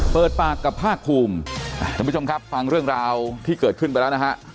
เปิดปากกับภาคภูมิท่านผู้ชมครับฟังเรื่องราวที่เกิดขึ้นไปแล้วนะฮะ